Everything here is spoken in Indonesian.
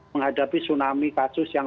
menghadapi tsunami kasus yang